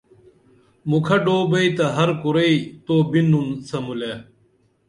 مُکھہ ڈو بئی تہ ہر کُرئی تو بِنُن سمولے